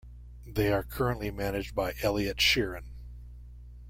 They are currently managed by Elliott Sheeran.